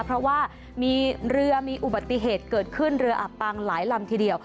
เพราะว่ามีเรือมีอุบัติเหตุเกิดขึ้นเรืออับปางหลายลำทีเดียว